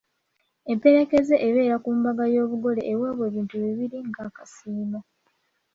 Emperekeze ebeera ku mbaga y'obugole eweebwa ebintu bibiri ng'akasiimo.